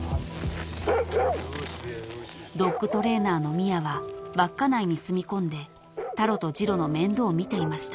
［ドッグトレーナーの宮は稚内に住み込んでタロとジロの面倒を見ていました］